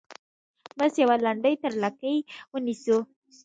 بس یوه لنډۍ تر لکۍ ونیسو.